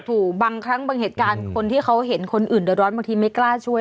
บางครั้งบางเหตุการณ์คนที่เขาเห็นคนอื่นเดือดร้อนบางทีไม่กล้าช่วย